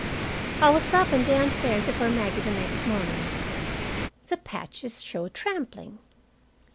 I was up and downstairs before Maggie the next morning. The patches showed trampling.